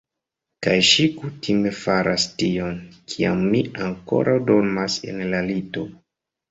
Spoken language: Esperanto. Kaj ŝi kutime faras tion, kiam mi ankoraŭ dormas en la lito.